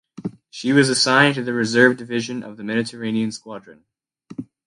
She was assigned to the Reserve Division of the Mediterranean Squadron.